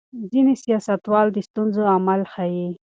ځینې سیاستوال د ستونزو عامل ښيي.